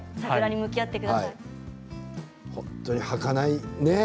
本当にはかない。